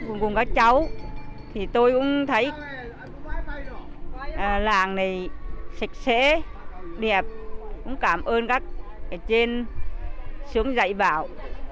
cùng các cháu thì tôi cũng thấy làng này sạch sẽ đẹp cũng cảm ơn các trên xuống dạy bảo